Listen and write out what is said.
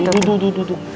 duduk duduk duduk